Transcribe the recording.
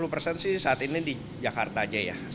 lima puluh persen sih saat ini di jakarta aja ya